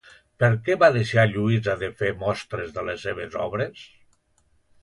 Per què va deixar Lluïsa de fer mostres de les seves obres?